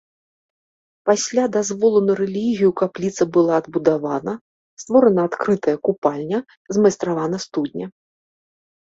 Пасля дазволу на рэлігію, капліца была адбудавана, створана адкрытая купальня, змайстравана студня.